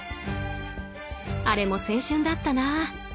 あれも青春だったな。